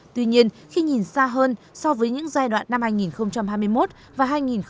tuy nhiên khi nhìn xa hơn so với những giai đoạn năm hai nghìn hai mươi một và hai nghìn hai mươi hai